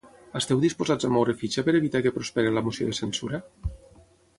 Esteu disposats a moure fitxa per evitar que prosperi la moció de censura?